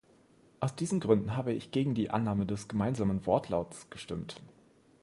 Aus diesen Gründen habe ich gegen die Annahme des gemeinsamen Wortlauts gestimmt.